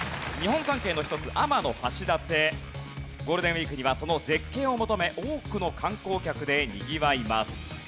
ゴールデンウィークにはその絶景を求め多くの観光客でにぎわいます。